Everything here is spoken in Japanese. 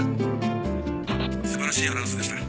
素晴らしいアナウンスでした。